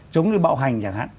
chống cái bạo hành chẳng hạn